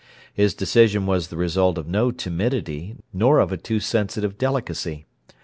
His decision was the result of no timidity, nor of a too sensitive delicacy.